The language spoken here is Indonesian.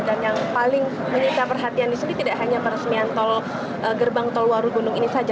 dan yang paling menarik perhatian di sini tidak hanya peresmian gerbang tol warugunung ini saja